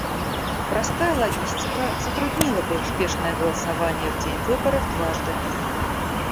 Простая логистика затруднила бы успешное голосование в день выборов дважды.